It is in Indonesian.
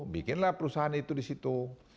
bikinlah perusahaan itu di situ